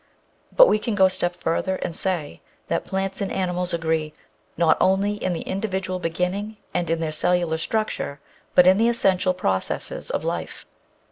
But we can go a step further and say that plants and animals agree not only in the individual beginning and in their cellular structure, but in the essential processes of life.